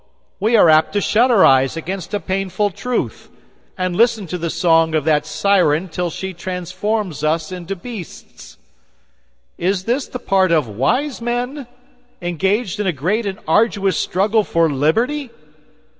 We are apt to shut our eyes against a painful truth, and listen to the song of that siren till she transforms us into beasts. Is this the part of wise men, engaged in a great and arduous struggle for liberty?